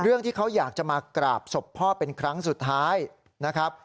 เรื่องที่เขาอยากจะมากราบศพพ่อเป็นครั้งสุดท้ายนะครับ